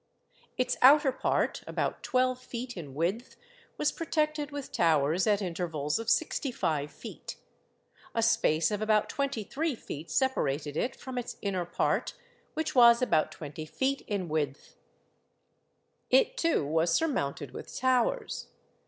Its outer part, about twelve feet in width, was protected with towers 74 THE SEVEN WONDERS at intervals of sixty five feet. A space of about twenty three feet separated it from its inner part, which was about twenty feet in width. It too was surmounted with towers.